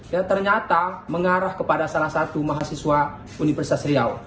yang ternyata mengarah kepada salah satu mahasiswa universitas riau